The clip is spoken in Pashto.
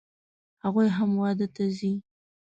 هغوی هم واده ته راځي